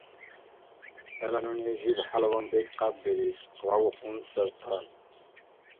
— ХӀела нуни жибхӀялаван бекӀ къяббирис! — вявухъун Сартан.